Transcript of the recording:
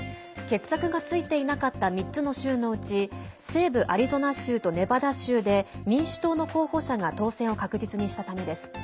決着がついていなかった３つの州のうち西部アリゾナ州とネバダ州で民主党の候補者が当選を確実にしたためです。